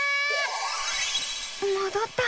もどった。